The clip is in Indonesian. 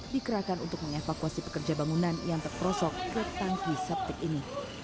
dikerahkan untuk mengevakuasi pekerja bangunan yang terperosok ke tangki septik ini